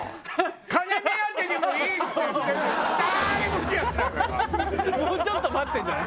金目当てでもいいって言ってんのにもうちょっと？